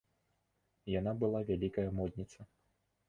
Яна была вялікая модніца.